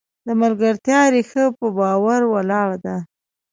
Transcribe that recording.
د ملګرتیا ریښه په باور ولاړه ده.